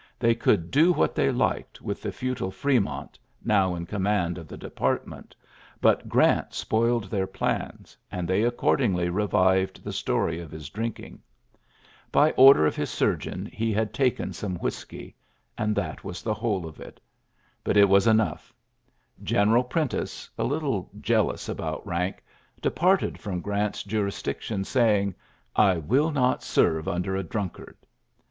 They could do what they liked with the futile Fremont, now in command of the de partment; but Grant spoiled their plans, and they accordingly revived the story of his drinking. By order of his ULYSSES S. GEANT 47 'geon he had taken some whiskey; 1 that was the whole of it. But it was )ngh. General Prentiss, a little jealous 3ut rank, departed from Grant's juris ition, saying, '^ I will not serve under drunkard.